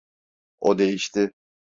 O değişti.